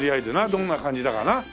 どんな感じだかな。